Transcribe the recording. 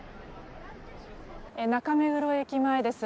中目黒駅前です。